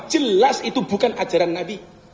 jelas itu bukan ajaran nabi